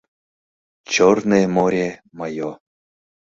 Черное море моё